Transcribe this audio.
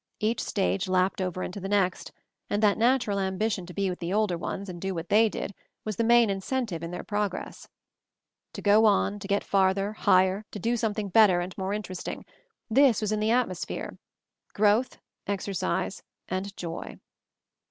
Each stage lapped over into the next, and that natural ambition to be with the older ones and do what they did was the main incentive in their progress. To go on, to get farther, higher, to do something better and more interesting, this was in the atmosphere; growth, exercise, and joy.